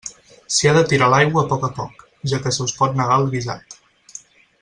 S'hi ha de tirar l'aigua a poc a poc, ja que se us pot negar el guisat.